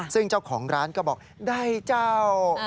ซึ่งเจ้าของร้านก็บอกได้เจ้า